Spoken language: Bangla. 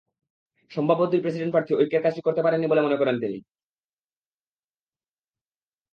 সম্ভাব্য দুই প্রেসিডেন্ট প্রার্থী ঐক্যের কাজটি করতে পারেননি বলে মনে করেন তিনি।